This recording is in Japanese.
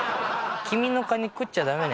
君のカニ食っちゃ駄目ね